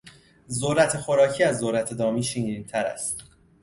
ذرت خوراکی از ذرت دامی شیرینتر است.